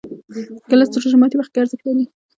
ګیلاس د روژه ماتي وخت کې ارزښت لري.